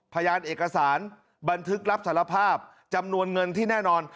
พยานเอกสารบันทึกรับสารภาพจำนวนเงินที่แน่นอน